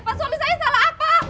pas suami saya salah apa